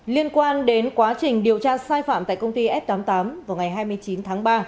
liên quan đến quá trình điều tra sai phạm tại công ty s tám mươi tám vào ngày hai mươi chín tháng ba